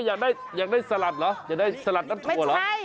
อยากได้อยากได้สลัดเหรออยากได้สลัดนำถั่วเหรอไม่ใช่